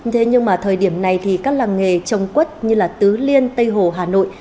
thế nhưng mà thời điểm này thì các làng nghề trồng quất như tứ liên tây hồ hà nội